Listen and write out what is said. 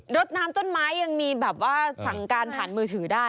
รถน้ำต้นไม้ยังมีแบบว่าสั่งการผ่านมือถือได้